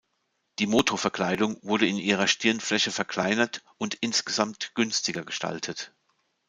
Die Motorverkleidung wurde in ihrer Stirnfläche verkleinert und insgesamt günstiger gestaltet.